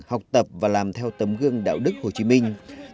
học tập và làm theo tấm gương đạo đức hồ chí minh